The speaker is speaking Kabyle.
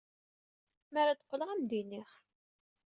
Mi ara d-qqleɣ, ad am-d-iniɣ.